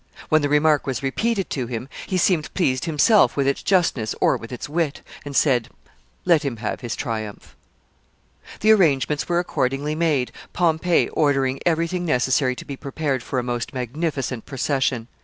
When the remark was repeated to him, he seemed pleased himself with its justness or with its wit, and said, "Let him have his triumph." [Sidenote: Pompey's triumph.] The arrangements were accordingly made Pompey ordering every thing necessary to be prepared for a most magnificent procession.